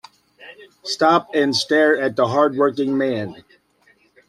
Stop and stare at the hard working man.